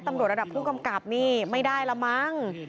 ตำรวจระดับผู้กำกับนี่ไม่ได้ละมั้ง